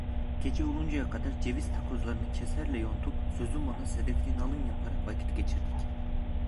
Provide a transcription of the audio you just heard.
Gece oluncaya kadar ceviz takozlarını keserle yontup sözümona sedefli nalın yaparak vakit geçirdik.